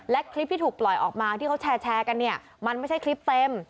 และคลิปที่ถูกปล่อยออกมาที่เขาแชร์กันเนี่ยมันไม่ใช่คลิปเต็ม